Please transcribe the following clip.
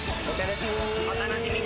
お楽しみに。